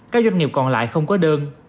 các doanh nghiệp còn lại không có đơn